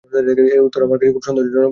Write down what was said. এই উত্তরও আমার কাছে খুব সন্দেহজনক মনে হল।